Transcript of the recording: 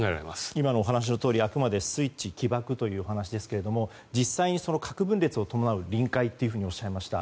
今のお話のとおりあくまでスイッチ起爆という話ですが実際に核分裂を伴う臨界とおっしゃいました。